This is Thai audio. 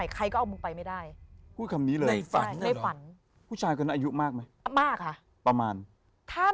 ใครก็เอามึงไปไม่ได้